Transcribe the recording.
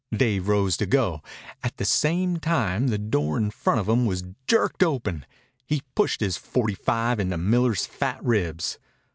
Dave rose to go. At the same time the door in front of him was jerked open. He pushed his forty five into Miller's fat ribs.